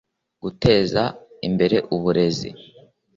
guteza imbere uburezi